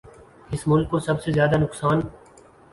اس ملک کو سب سے زیادہ نقصان